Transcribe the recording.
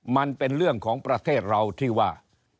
มันเป็นเรื่องของประเทศเราที่ว่า